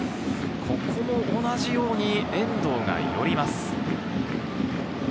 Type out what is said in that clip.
ここも同じように遠藤がよります。